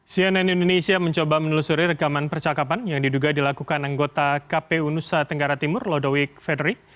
cnn indonesia mencoba menelusuri rekaman percakapan yang diduga dilakukan anggota kpu nusa tenggara timur lodowik federick